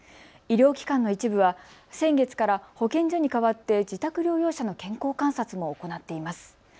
医療機関の一部は先月から保健所に代わって自宅療養者の健康観察も行っています。